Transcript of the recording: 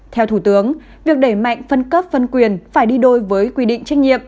theo thủ tướng việc đẩy mạnh phân cấp phân quyền phải đi đôi với quy định trách nhiệm